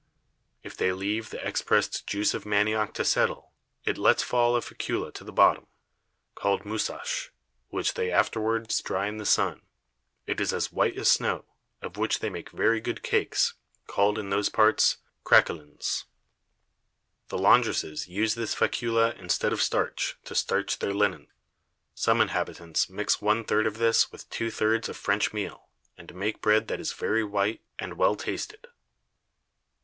If they leave the expressed Juice of Manioc to settle, it lets fall a Fæcula to the bottom, called Moussache, which they afterwards dry in the Sun: it is as white as Snow, of which they make very good Cakes, called in those Parts, Craquelins. The Laundresses use this Fæcula instead of Starch, to starch their Linnen. Some Inhabitants mix one Third of this with two Thirds of French Meal, and make Bread that is very white, and well tasted.